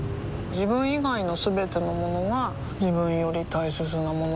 自分以外のすべてのものが自分より大切なものだと思いたい